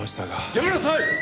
やめなさい！